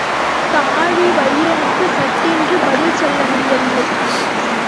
தாழிவயிறனுக்குச் சட்டென்று பதில் சொல்ல முடியவில்லை.